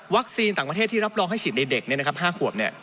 วัคซีนต่างประเทศที่รับรองให้ฉีดในเด็กเนี่ยนะครับ๕ขวบเนี่ย